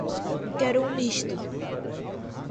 Quero um misto